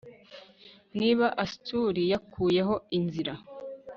Niba Astur yakuyeho inzira